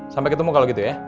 sampai ketemu kalau gitu ya